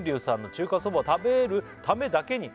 「中華そばを食べるためだけに」